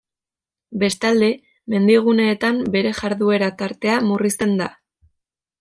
Bestalde, mendiguneetan bere jarduera-tartea murrizten da.